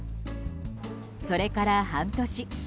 それから半年。